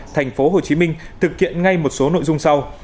thành phố hồ chí minh thực hiện ngay một số nội dung sau